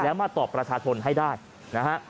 แล้วมาตอบประชาชนให้ได้นะฮะ